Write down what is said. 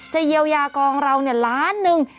จะเยียวยากองเราเนี่ยล้านหนึ่ง